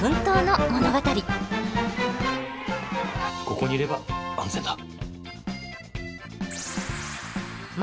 ここにいれば安全だ。